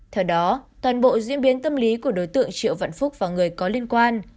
theo đó toàn bộ diễn biến tâm lý của đối tượng triệu văn phúc và người có liên quan